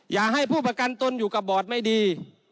อย่าให้ผู้ประกันตนอยู่กับบอร์ดไม่ดี